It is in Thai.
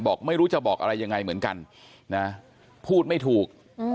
บอกไม่รู้จะบอกอะไรยังไงเหมือนกันนะพูดไม่ถูก